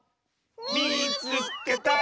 「みいつけた！」。